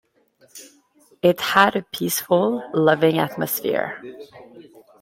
It had a peaceful, loving atmosphere.